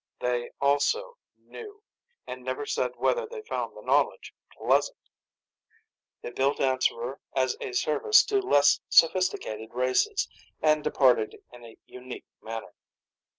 They also Knew, and never said whether they found the knowledge pleasant. They built Answerer as a service to less sophisticated races, and departed in a unique manner.